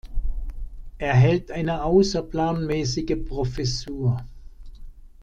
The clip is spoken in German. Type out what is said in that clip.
Er hält eine außerplanmäßige Professur.